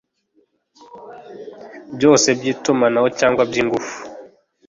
byose by itumanaho cyangwa by ingufu